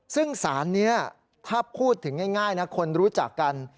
ซึ่งสารนี้ถ้าพูดถึงง่ายนะคนรู้จักกัน